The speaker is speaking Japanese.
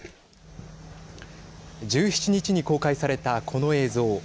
１７日に公開されたこの映像。